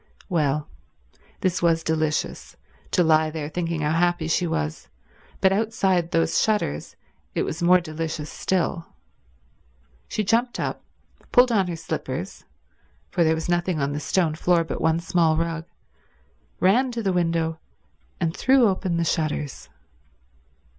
Well, this was delicious, to lie there thinking how happy she was, but outside those shutters it was more delicious still. She jumped up, pulled on her slippers, for there was nothing on the stone floor but one small rug, ran to the window and threw open the shutters.